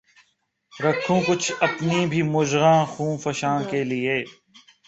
رکھوں کچھ اپنی بھی مژگان خوں فشاں کے لیے